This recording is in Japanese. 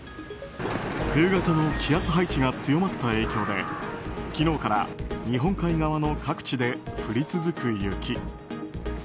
急激に気圧配置が強まった影響で昨日から日本海側の各地で降り続く雪。